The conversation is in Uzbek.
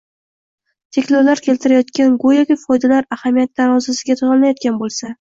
cheklovlar keltirayotgan guyoki foydalar ahamiyat tarozisiga solinadigan bo‘lsa